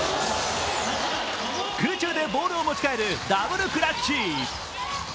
空中でボールを持ち替えるダブルクラッチ。